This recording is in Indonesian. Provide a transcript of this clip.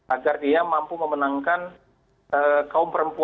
agar dia mampu memenangkan kaum perempuan secara jauh lebih banyak dibandingkan hillary clinton